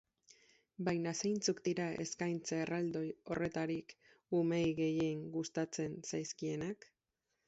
Baina zeintzuk dira eskaintza erraldoi horretarik, umeei gehien gustatzen zaizkienak?